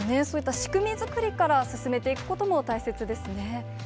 そういった仕組み作りから進めていくことも大切ですね。